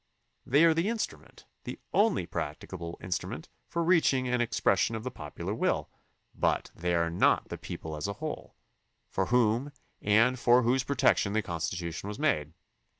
They are the instru ment, the only practicable instrument, for reaching an expression of the popular will; but they are not the people as a whole, for whom and for whose protection the Constitution was made.